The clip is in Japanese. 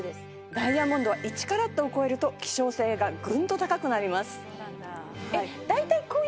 ダイヤモンドは１カラットを超えると希少性がグンと高くなります。